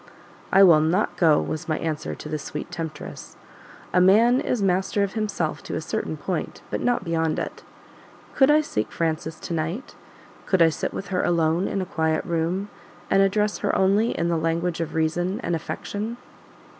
"I will NOT go was my answer to the sweet temptress. A man is master of himself to a certain point, but not beyond it. Could I seek Frances to night, could I sit with her alone in a quiet room, and address her only in the language of Reason and Affection?"